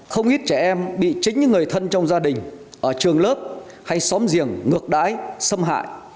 không ít trẻ em bị chính những người thân trong gia đình ở trường lớp hay xóm giềng ngược đái xâm hại